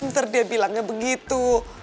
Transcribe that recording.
ntar dia bilangnya begitu